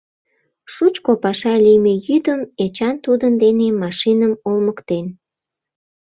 Шучко паша лийме йӱдым Эчан тудын дене машиным олмыктен.